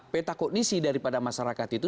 peta kondisi daripada masyarakat itu